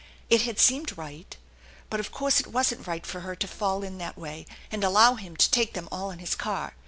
It had seemed right. But of course it wasn't right for her to fall in that way and allow him to take them all in his car.